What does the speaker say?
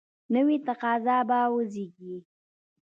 نوي تقاضا به وزیږي.